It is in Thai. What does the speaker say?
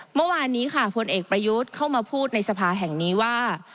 เมื่อวานนี้ค่ะพลเอกประยุทธ์เข้ามาพูดในสภาแห่งนี้ว่า